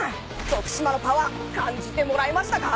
徳島のパワー感じてもらえましたか？